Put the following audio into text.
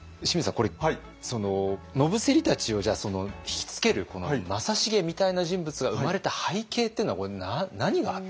これ野伏たちをひきつける正成みたいな人物が生まれた背景っていうのはこれ何があったんですか？